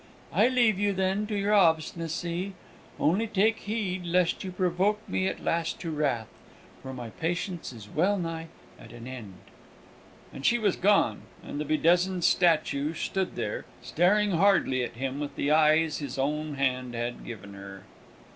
I leave you, then, to your obstinacy; only take heed lest you provoke me at last to wrath, for my patience is well nigh at an end!" And she was gone, and the bedizened statue stood there, staring hardly at him with the eyes his own hand had given her.